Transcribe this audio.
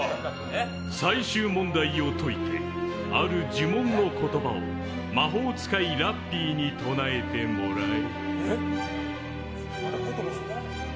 最終問題を解いてある呪文の言葉を魔法使いラッピーに唱えてもらえ。